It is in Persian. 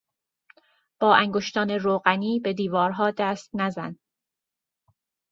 با انگشتان روغنی به دیوارها دست نزن!